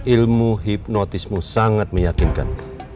ilmu hipnotismu sangat meyakinkan